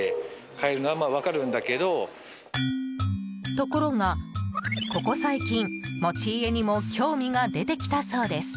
ところが、ここ最近持ち家にも興味が出てきたそうです。